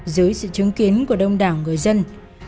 dưới sự chứng kiến của đông đảo người dân